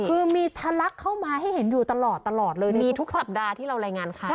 คือมีทะลักเข้ามาให้เห็นอยู่ตลอดตลอดเลยมีทุกสัปดาห์ที่เรารายงานข่าว